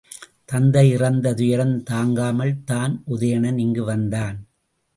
தத்தை இறந்த துயரம் தாங்காமல்தான் உதயணன் இங்கு வந்தான்.